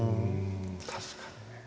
確かにね。